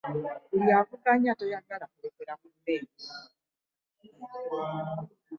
Buli avuganya tayagala kulekera munne.